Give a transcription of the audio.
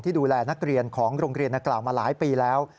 ดูแลนักเรียนของโรงเรียนนักกล่าวมาหลายปีแล้ว